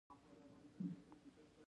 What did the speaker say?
روغتیا حق دی